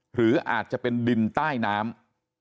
หรืออาจจะเป็นดินใต้น้ำ